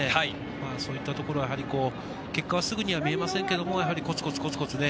そういったところは結果はすぐには見えませんけれども、コツコツコツコツね。